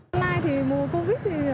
hôm nay mùa covid